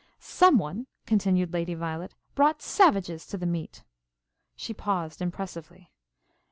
"Some one," continued Lady Violet, "brought savages to the meet." She paused impressively.